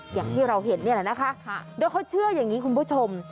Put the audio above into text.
อย่างที่เราเห็นนี่แหละนะคะโดยเขาเชื่ออย่างนี้คุณผู้ชม